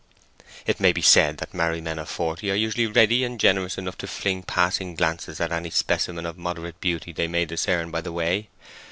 It may be said that married men of forty are usually ready and generous enough to fling passing glances at any specimen of moderate beauty they may discern by the way.